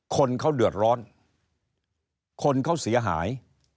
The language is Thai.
คนเขาเดือดร้อนคนเขาเสียหาย